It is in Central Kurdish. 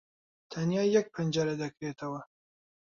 تەنیا یەک پەنجەرە دەکرێتەوە.